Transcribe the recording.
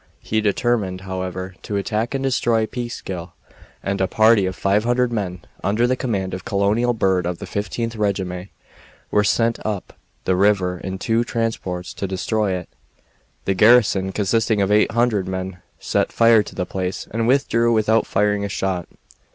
He determined, however, to attack and destroy Peekskill, and a party of 500 men, under the command of Colonel Bird of the Fifteenth Regiment, were sent up the river in two transports to destroy it. The garrison, consisting of 800 men, set fire to the place and withdrew without firing a shot.